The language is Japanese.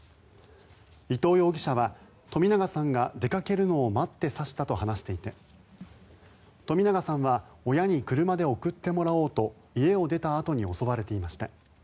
伊藤容疑者は冨永さんが出かけるのを待って刺したと話していて冨永さんは親に車で送ってもらおうと家を出たあとに襲われていました。